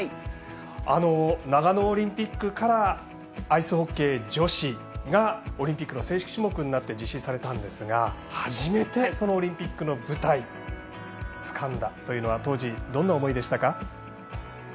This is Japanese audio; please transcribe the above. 長野オリンピックからアイスホッケー女子がオリンピックの正式種目となって実施されたんですが初めて、そのオリンピックの舞台つかんだというのは当時、どんな思いでしたか？